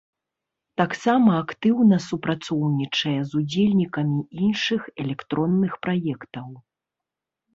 Таксама актыўна супрацоўнічае з удзельнікамі іншых электронных праектаў.